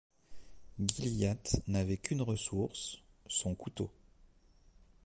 Gilliatt n’avait qu’une ressource, son couteau.